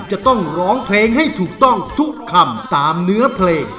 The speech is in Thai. จะต้องร้องเพลงให้ถูกต้องทุกคำตามเนื้อเพลง